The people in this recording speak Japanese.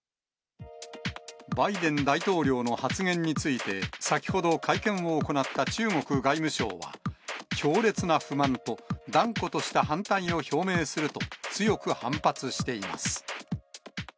バイデン大統領の発言について、先ほど会見を行った中国外務省は、強烈な不満と断固とした反対を表明すると、強く反発しています。